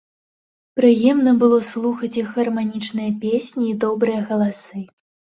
Прыемна было слухаць іх гарманічныя песні і добрыя галасы.